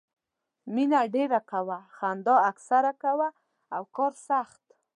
مینه ډېره کوه، خندا اکثر کوه او کار سخت.